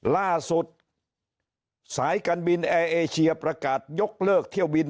ล่าสุดสายการบินแอร์เอเชียประกาศยกเลิกเที่ยวบิน